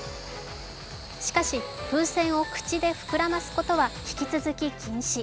しかし、風船を口で膨らますことは引き続き禁止。